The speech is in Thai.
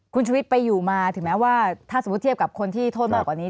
คุณชุวิตไปอยู่มาถึงแม้ว่าถ้าสมมุติเทียบกับคนที่โทษมากกว่านี้